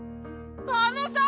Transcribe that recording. あのさ！